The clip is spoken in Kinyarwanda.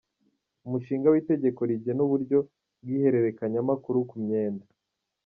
Umushinga w’Itegeko rigena uburyo bw’ihererekanyamakuru ku myenda;.